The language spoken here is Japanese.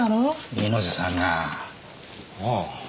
猪瀬さんが。ああ。